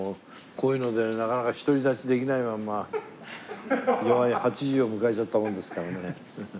こういうのでなかなか独り立ちできないままよわい８０を迎えちゃったもんですからね。